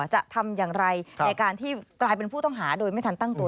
จะทำอย่างไรในการที่กลายเป็นผู้ต้องหาโดยไม่ทันตั้งตัว